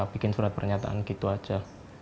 bikin surat pernyataan gitu aja